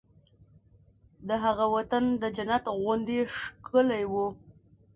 د هغه وطن د جنت غوندې ښکلی و